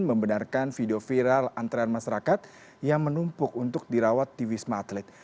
membenarkan video viral antrean masyarakat yang menumpuk untuk dirawat di wisma atlet